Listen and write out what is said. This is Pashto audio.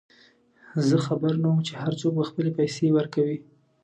زه خبر نه وم چې هرڅوک به خپلې پیسې ورکوي.